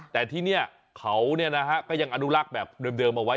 แต่ที่นี่เขาก็ยังอนุลักษ์แบบเดิมเอาไว้